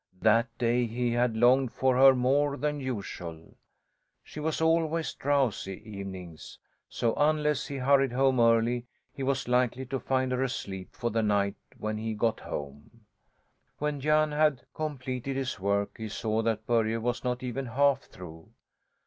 That day he had longed for her more than usual. She was always drowsy evenings; so unless he hurried home early, he was likely to find her asleep for the night when he got home. When Jan had completed his work he saw that Börje was not even half through.